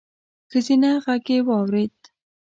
ښځينه غږ يې واورېد: